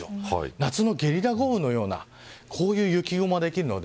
夏のゲリラ豪雨のようなこういう雪雲ができるので